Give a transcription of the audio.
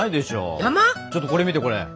ちょっとこれ見てこれ！